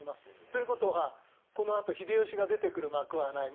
ということはこのあと秀吉が出てくる幕はない。